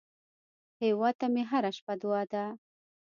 هیواد ته مې هره شپه دعا ده